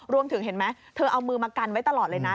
เห็นไหมเธอเอามือมากันไว้ตลอดเลยนะ